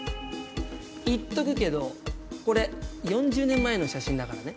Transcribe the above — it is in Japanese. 言っとくけどこれ４０年前の写真だからね？